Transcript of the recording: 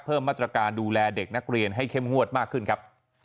เพิ่มมาตรการดูแลเด็กนักเรียนให้เข้มงวดมากขึ้นครับ